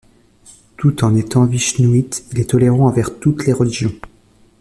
Tout en étant vishnouite, il est tolérant envers toutes les religions.